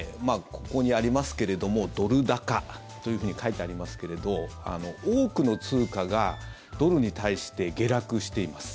ここにありますけれどもドル高というふうに書いてありますけれど多くの通貨がドルに対して下落しています。